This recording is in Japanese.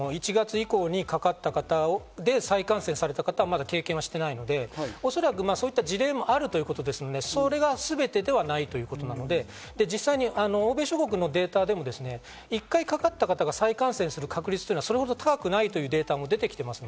私はまだ１月以降にかかった方で再感染された方はまだ経験していないので、おそらくそういった事例もあるということなので、それがすべてではないということで、実際に欧米諸国のデータでも１回かかった方が再感染する確率というのはそれほど高くないというデータも出てきています。